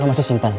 lo masih simpan